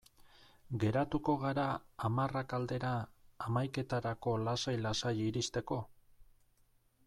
Geratuko gara hamarrak aldera, hamaiketarako lasai-lasai iristeko?